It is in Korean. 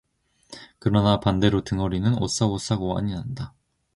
그러나 반대로 등허리는 오싹오싹 오한이 난다.